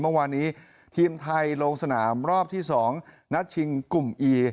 เมื่อวานนี้ทีมไทยลงสนามรอบที่๒นัดชิงกลุ่มอี